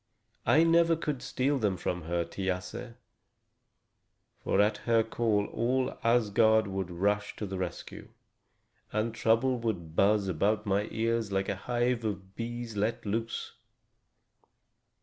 I never could steal them from her, Thiasse; for at her call all Asgard would rush to the rescue, and trouble would buzz about my ears like a hive of bees let loose."